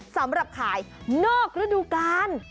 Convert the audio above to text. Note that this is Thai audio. สำหรับขายนอกระดูกาล